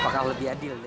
apakah lebih adil